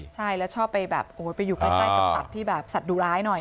ใช่แล้วชอบไปแบบไปอยู่ใกล้กับสัตว์ที่แบบสัตว์ดูร้ายหน่อย